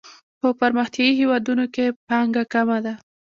په پرمختیايي هیوادونو کې پانګه کمه ده.